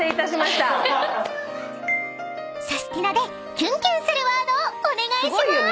［サスティなでキュンキュンするワードをお願いしまーす］